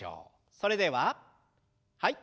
それでははい。